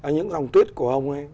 những dòng tweet của ông ấy